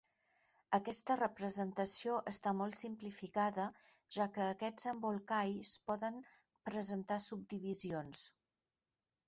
Aquesta representació està molt simplificada, ja que aquests embolcalls poden presentar subdivisions.